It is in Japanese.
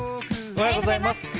おはようございます。